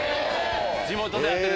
地元で会ってる。